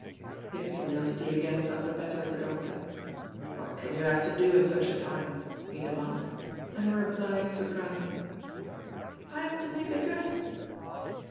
His curiosity again got the better of the doctor. "What can you have to do at such a time?" he demanded, and her reply surprised him: "I am to make a dress."